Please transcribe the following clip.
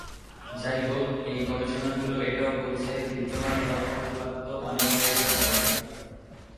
যাইহোক, এই গবেষণাগুলো এটাও বলেছে, বিদ্যমান তথ্য উপাত্ত অনেকটাই সাধারণ।